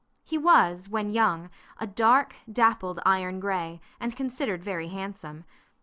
He was, when young, a dark, dappled iron gray, and considered very handsome.